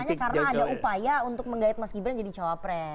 iya tapi ini temanya karena ada upaya untuk menggait mas gibran jadi cawapres